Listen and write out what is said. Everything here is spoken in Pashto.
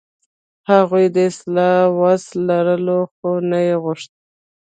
هغوی د اصلاح وس لرلو، خو نه یې غوښت.